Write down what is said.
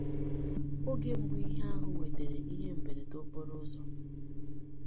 Oge mbụ ihe ahụ wètèrè ihe mberede okporoụzọ